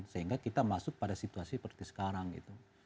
sehingga kita masuk pada situasi seperti sekarang gitu